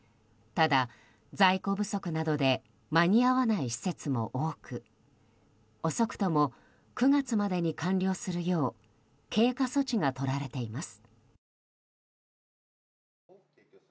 ただ、在庫不足などで間に合わない施設も多く遅くとも、９月までに完了するよう経過措置が取られています。